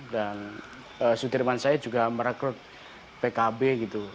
dan sudirman said juga merekrut pkb gitu